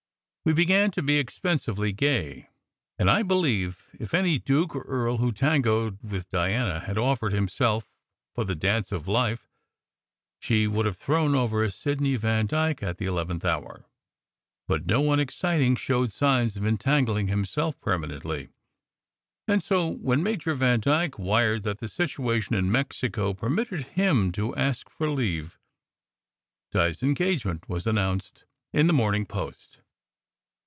We began to be expensively gay; and I be lieve if any duke or earl who tangoed with Diana had offered himself for the dance of life, she would have thrown over Sidney Vandyke at the eleventh hour. But no one exciting showed signs of entangling himself permanently, and so^ when Major Vandyke wired that the situation in Mexico permitted him to ask for leave, Di s engagement was an nounced in the Morning Post.